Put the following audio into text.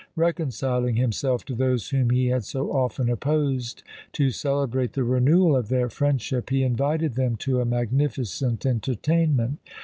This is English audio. Reconciling himself to those whom he had so often opposed, to celebrate the renewal of their friendship he invited them to a magnificent entertainment.